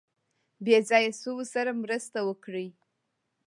بې ځایه شویو سره مرسته وکړي.